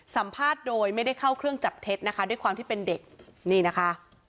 สัมภาษณ์โดยไม่ได้เข้าเครื่องจับเท็จนะคะด้วยความที่เป็นเด็กนี่นะคะ